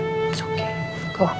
gak apa apa pergi